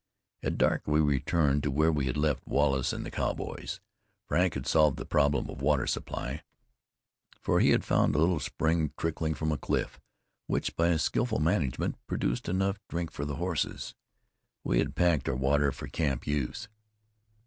At dark we returned to where we had left Wallace and the cowboys. Frank had solved the problem of water supply, for he had found a little spring trickling from a cliff, which, by skillful management, produced enough drink for the horses. We had packed our water for camp use.